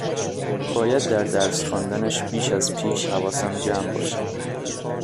باید در درس خواندنش بیش از پیش حواسم جمع باشد